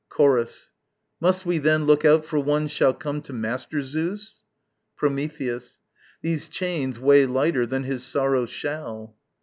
Chorus. Must we then Look out for one shall come to master Zeus? Prometheus. These chains weigh lighter than his sorrows shall.